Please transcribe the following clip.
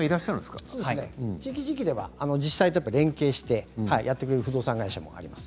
地域によっては自治体と連携してやってくれる不動産会社もあります。